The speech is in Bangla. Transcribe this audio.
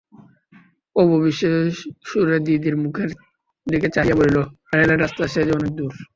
অপু বিস্ময়ের সুরে দিদির মুখের দিকে চাহিয়া বলিল, রেলের রাস্তা-সে যে অনেক দূর!